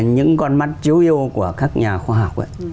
những con mắt chiếu yêu của các nhà khoa học ấy